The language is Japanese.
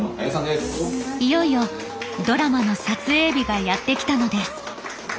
いよいよドラマの撮影日がやって来たのです。